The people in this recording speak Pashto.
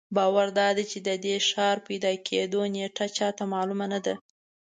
باور دادی چې د دې ښار پیدا کېدو نېټه چا ته معلومه نه ده.